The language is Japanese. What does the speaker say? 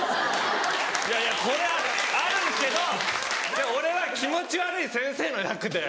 いやいやこれはあるけどでも俺は気持ち悪い先生の役で。